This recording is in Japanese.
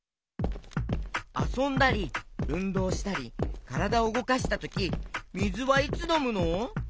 あそんだりうんどうしたりからだをうごかしたときみずはいつのむの？